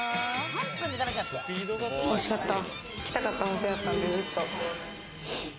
おいしかった。